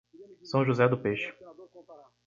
São José do Peixe